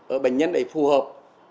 ở bệnh nhân ấy phù hợp